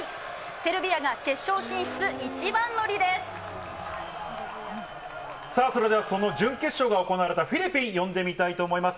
セルビアそれではその準決勝が行われたフィリピン、呼んでみたいと思います。